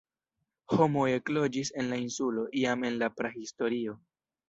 Homoj ekloĝis en la insulo jam en la prahistorio.